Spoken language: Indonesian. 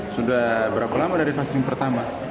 sudah berapa lama dari vaksin pertama